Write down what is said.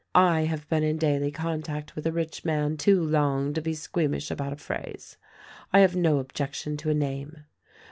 I have been in daily con tact with a rich man too long to be squeamish about a phrase. I have no objection to a name.